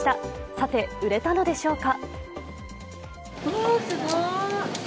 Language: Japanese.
さて、売れたのでしょうか？